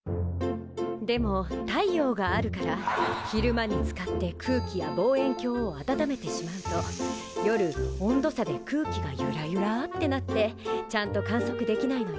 でも太陽があるから昼間に使って空気や望遠鏡を温めてしまうと夜温度差で空気がゆらゆらってなってちゃんと観測できないのよ